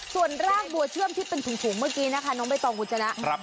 ส่วนรากบัวเชื่อมที่เป็นถุงเมื่อกี้นะคะน้องใบตองคุณชนะ